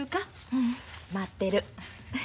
ううん待ってる。